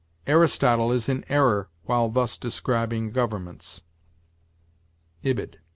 "Aristotle is in error while thus describing governments." Ibid.